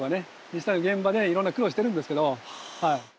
実際の現場でいろんな苦労してるんですけど。